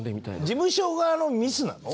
事務所側のミスなの？